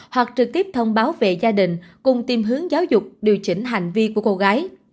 hoặc trực tiếp thông báo về gia đình cùng tìm hướng giáo dục điều chỉnh hành vi của cô gái